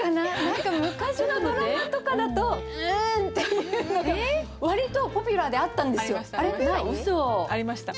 何か昔のドラマとかだとうんっていうの割とポピュラーであったんですよ。ありましたありました。